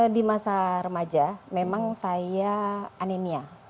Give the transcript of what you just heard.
di masa remaja memang saya anemia